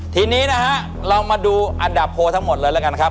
ทีนี้นะฮะเรามาดูอันดับโพลทั้งหมดเลยแล้วกันครับ